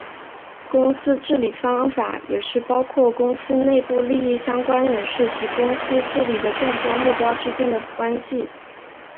公司治理方法也包括公司内部利益相关人士及公司治理的众多目标之间的关系。